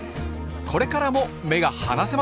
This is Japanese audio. これからも目が離せません！